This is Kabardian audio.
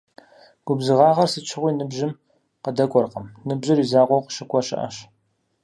Губзыгъагъэр сыт щыгъуи ныбжьым къыдэкӏуэркъым - ныбжьыр и закъуэу къыщыкӏуэ щыӏэщ.